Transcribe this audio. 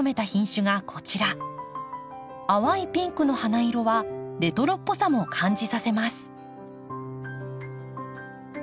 淡いピンクの花色はレトロっぽさも感じさせます。